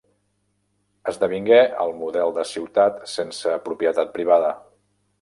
Esdevingué el model de ciutat sense propietat privada.